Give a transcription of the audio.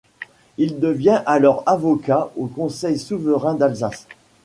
Il devient alors avocat au Conseil Souverain d'Alsace.